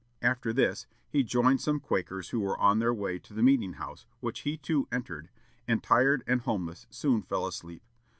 After this, he joined some Quakers who were on their way to the meeting house, which he too entered, and, tired and homeless, soon fell asleep.